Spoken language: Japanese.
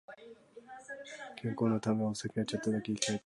健康のためお酒はちょっとだけ控える